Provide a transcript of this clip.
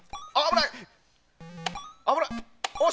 危ないっ！